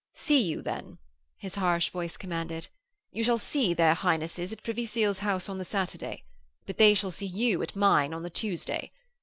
'See you, then,' his harsh voice commanded. 'You shall see their Highnesses at Privy Seal's house on the Saturday; but they shall see you at mine on the Tuesday.